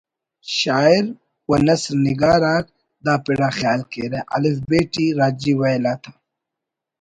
شاعر ونثر نگار آک دا پڑ آ خیال کیرہ ”الف ب“ ٹی راجی ویل آتا